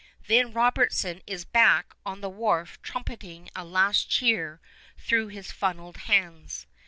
Then Robertson is back on the wharf trumpeting a last cheer through his funneled hands.